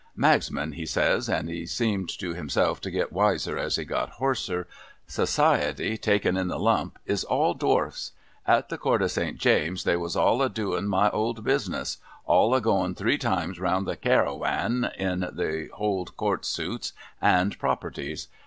' Magsman,' he says, and he seemed to myself to get wiser as he got hoarser ;' Society, taken in the lump, is all dwarfs. At the court of St. James's, they was all a doing my old business — all a goin three times round the Cairawan, in the hold court suits and properties.